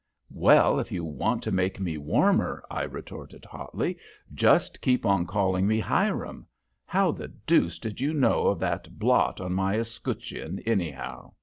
"Well, if you want to make me warmer," I retorted, hotly, "just keep on calling me Hiram. How the deuce did you know of that blot on my escutcheon, anyhow?"